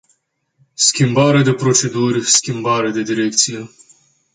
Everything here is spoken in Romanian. Schimbare de proceduri, schimbare de direcție.